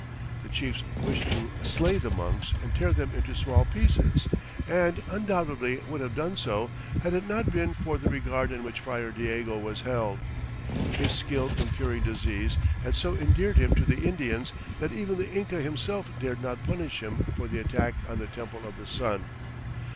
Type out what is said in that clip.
The chiefs wished to "slay the monks and tear them into small pieces," and undoubtedly would have done so had it not been for the regard in which Friar Diego was held. His skill in curing disease had so endeared him to the Indians that even the Inca himself dared not punish him for the attack on the Temple of the Sun.